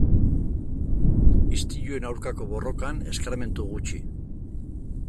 Istiluen aurkako borrokan eskarmentu gutxi.